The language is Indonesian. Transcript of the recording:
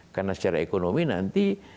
karena secara ekonomi nanti